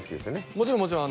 もちろんもちろん。